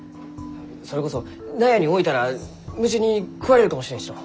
それこそ納屋に置いたら虫に食われるかもしれんしの。